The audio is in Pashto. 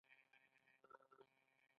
د تهران يونيورسټۍ نه د پښتو او فارسي ژبې